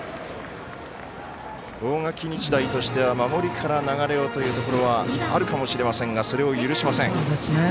大垣日大としては守りから流れをというところがあるかもしれませんがそれを許しません。